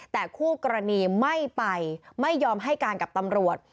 แต่คู่กรณีไม่ไปไม่ยอมให้การกับตำรวจ